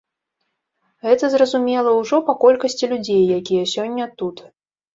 Гэта зразумела ўжо па колькасці людзей, якія сёння тут.